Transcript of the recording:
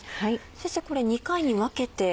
先生これ２回に分けて。